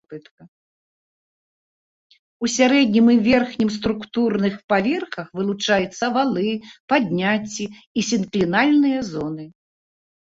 У сярэднім і верхнім структурных паверхах вылучаюцца валы, падняцці і сінклінальныя зоны.